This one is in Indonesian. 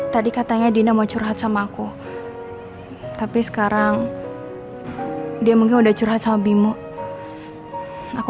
tadi katanya dina mau curhat sama aku tapi sekarang dia mungkin udah curhat sama bimo aku